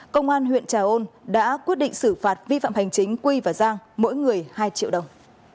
công an huyện trà ôn đã quyết định xử phạt vi phạm hành chính quy và giang mỗi người hai triệu đồng